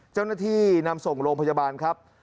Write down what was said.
เจ้าหน้าที่นำส่งโรงพยาบาลครับ